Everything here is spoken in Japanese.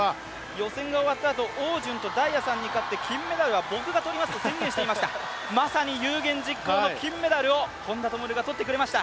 予選が終わったあと、汪順と大也さんに勝って金メダルは僕が取りますと宣言していました、まさに有言実行の金メダルを本多灯が取ってくれました。